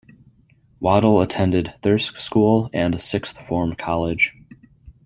Waddell attended Thirsk School and Sixth Form College.